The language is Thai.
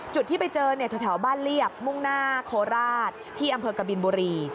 ที่ไปเจอเนี่ยแถวบ้านเรียบมุ่งหน้าโคราชที่อำเภอกบินบุรี